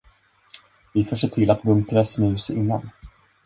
Vi får se till att bunkra snus innan.